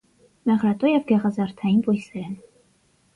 Մեղրատու և գեղազարդային բույսեր են։